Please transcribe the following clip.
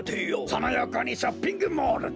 そのよこにショッピングモールだ。